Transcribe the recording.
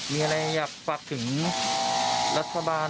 มีอะไรอยากฝากถึงรัฐบาล